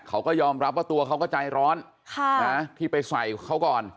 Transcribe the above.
เขาก็ยอมรับว่าตัวเขาก็ใจร้อนที่ไปใส่เขาก่อน